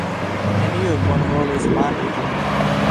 Neniu bonvolis manĝi ĝin.